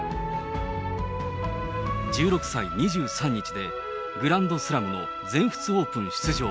１６歳２３日でグランドスラムの全仏オープン出場。